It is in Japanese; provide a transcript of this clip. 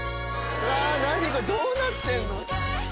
どうなってんの？